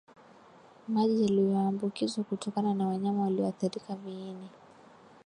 maji yaliyoambukizwa kutokana na wanyama walioathirika viini